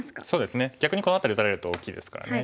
逆にこの辺り打たれると大きいですからね